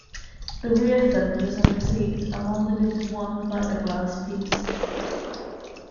The rear fenders and seat are molded into one fiberglass piece.